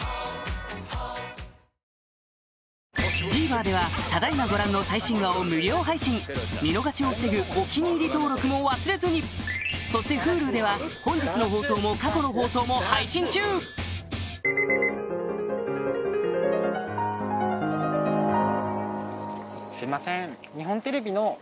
さらにＴＶｅｒではただ今ご覧の最新話を無料配信見逃しを防ぐ「お気に入り」登録も忘れずにそしてＨｕｌｕでは本日の放送も過去の放送も配信中はい。